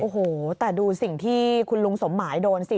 โอ้โหแต่ดูสิ่งที่คุณลุงสมหมายโดนสิ